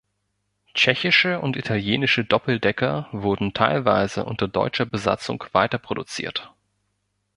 Tschechische und italienische Doppeldecker wurden teilweise unter deutscher Besatzung weiterproduziert.